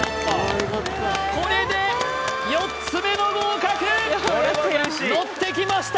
これで４つ目の合格のってきました